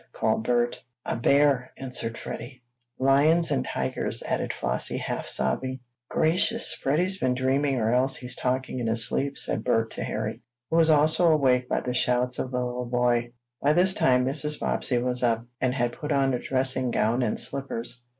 called Bert. "A bear!" answered Freddie. "Lions and tigers," added Flossie, half sobbing. "Gracious! Freddie's been dreaming, or else he's talking in his sleep," said Bert to Harry, who was also awakened by the shouts of the little boy. By this time Mrs. Bobbsey was up, and had put on a dressing gown and slippers.